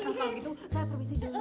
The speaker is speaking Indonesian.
kalau gitu saya permisi dulu